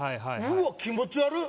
うわっ気持ち悪っ